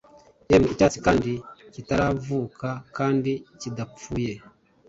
yemwe icyatsi kandi kitaravuka kandi kidapfuye? '